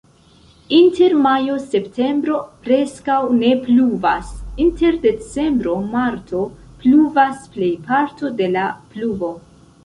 Inter majo-septembro preskaŭ ne pluvas, inter decembro-marto pluvas plejparto de la pluvo.